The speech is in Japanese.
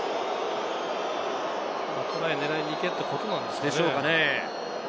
トライを狙いにいけということなんでしょうかね？